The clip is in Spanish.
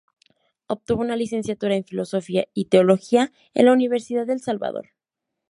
Obtuvo una licenciatura en Filosofía y Teología en la Universidad del Salvador.